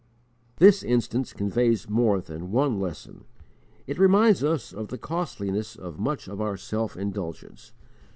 This instance conveys more than one lesson. It reminds us of the costliness of much of our self indulgence.